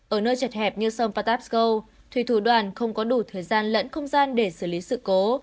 ở nơi chật hẹp như sông patasko thủy thủ đoàn không có đủ thời gian lẫn không gian để xử lý sự cố